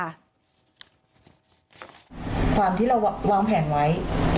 ความที่เราวางแผนไว้